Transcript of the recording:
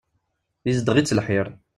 Izeddeɣ-itt lḥir.